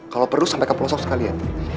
kalau perlu sampai ke pelosok sekalian